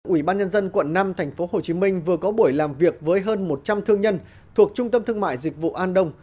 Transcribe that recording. ủy ban nhân dân quận năm tp hcm vừa có buổi làm việc với hơn một trăm linh thương nhân thuộc trung tâm thương mại dịch vụ an đông